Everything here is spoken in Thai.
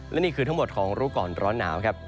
และนี่คือทั้งหมดของรู้ก่อนร้อนหนาวครับ